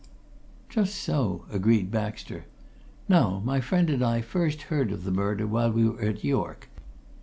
"Just so," agreed Baxter. "Now, my friend and I first heard of the murder while we were at York.